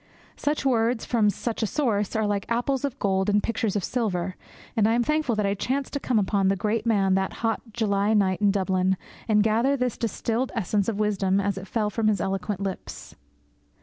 Such words from such a source are like apples of gold in pictures of silver, and I am thankful that I chanced to come upon the great man that hot July night in Dublin, and gather this distilled essence of wisdom as it fell from his eloquent lips.